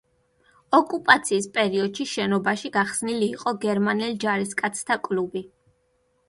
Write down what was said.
ოკუპაციის პერიოდში შენობაში გახსნილი იყო გერმანელ ჯარისკაცთა კლუბი.